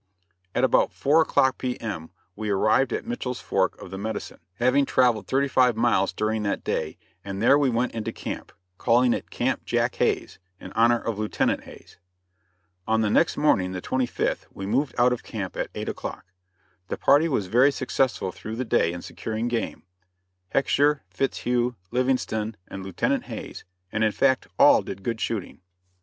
At about four o'clock P.M., we arrived at Mitchell's Fork of the Medicine, having traveled thirty five miles during that day, and there we went into camp calling it Camp Jack Hayes, in honor of Lieutenant Hayes. On the next morning, the 25th, we moved out of camp at eight o'clock. The party was very successful through the day in securing game, Hecksher, Fitzhugh, Livingston and Lieutenant Hayes; and in fact all did good shooting.